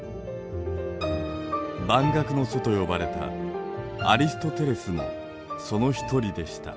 「万学の祖」と呼ばれたアリストテレスもその一人でした。